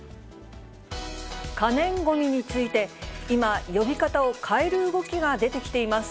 可燃ごみについて、今、呼び方を変える動きが出てきています。